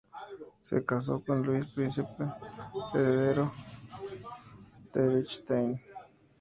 Se casó con Luis, Príncipe Heredero de Liechtenstein.